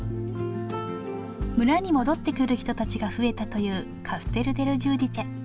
村に戻ってくる人たちが増えたというカステル・デル・ジューディチェ。